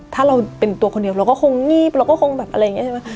ถ้าเราเป็นตัวคนเดียวเราก็คงงีบเราก็คงแบบอะไรอย่างนี้ใช่ไหม